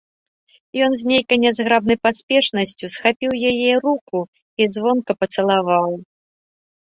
Ён з нейкай нязграбнай паспешнасцю схапіў яе руку і звонка пацалаваў.